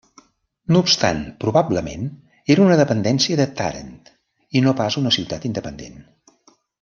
No obstant probablement era una dependència de Tàrent i no pas una ciutat independent.